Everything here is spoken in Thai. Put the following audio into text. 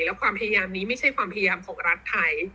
แล้วความพยายามนี้ไม่ใช่ความพยายามของรัฐไทย